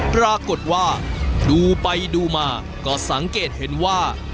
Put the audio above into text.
ปรากฏว่าดูไปดูมาก็สังเกตเห็นว่า